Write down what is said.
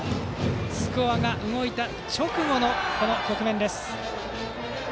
スコアが動いた直後の局面。